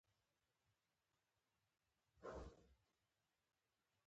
افغانستان د ژبو له پلوه له هېوادونو سره اړیکې لري.